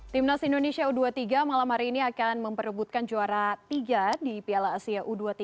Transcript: timnas indonesia u dua puluh tiga malam hari ini akan memperebutkan juara tiga di piala asia u dua puluh tiga